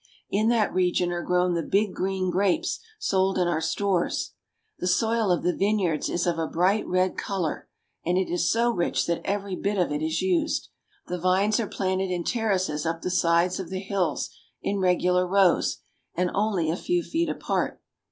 In that region are grown the big green grapes sold in our 432 SPAIN. stores. The soil of the vineyards is of a bright red color, and it is so rich that every bit of it is used. The vines are planted in terraces up the sides of the hills in regular rows, and only a few feet apart.